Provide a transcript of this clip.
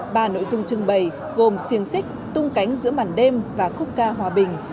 ba nội dung trưng bày gồm siêng xích tung cánh giữa màn đêm và khúc ca hòa bình